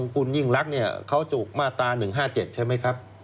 คุณยิ่งรักเนี่ยเขาจูกมาตราหนึ่งห้าเจ็ดใช่ไหมครับ